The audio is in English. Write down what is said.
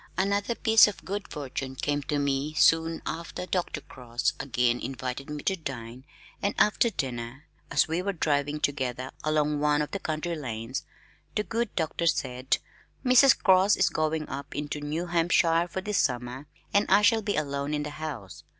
Another piece of good fortune came to me soon after. Dr. Cross again invited me to dine and after dinner as we were driving together along one of the country lanes, the good doctor said, "Mrs. Cross is going up into New Hampshire for the summer and I shall be alone in the house.